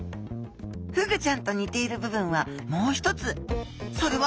フグちゃんとにているぶぶんはもう一つ。